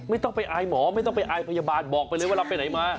ไม่ต้องไปอายหมอไม่ต้องไปอายพยาบาลบอกไปเลยว่าเราไปไหนมา